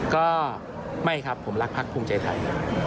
ก็ไม่ครับผมรักพักภูมิใจไทย